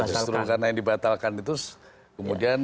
justru karena yang dibatalkan itu kemudian